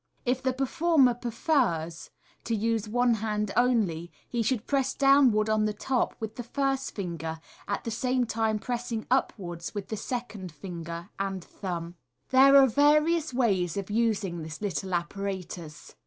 If the performer prefers to use one hand only, he should press down wards on the top with the first finger, at the same time pressing upwards with the second finger and thumb. 19* MODERN MAGIC. There are various ways of using this little apparatus.